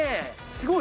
すごい。